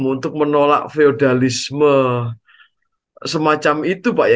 untuk menolak feudalisme semacam itu pak ya